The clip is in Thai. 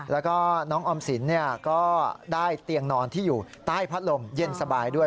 แล้วก็น้องออมสินก็ได้เตียงนอนที่อยู่ใต้พัดลมเย็นสบายด้วย